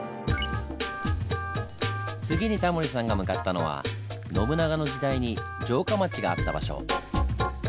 次にタモリさんが向かったのは信長の時代に城下町があった場所。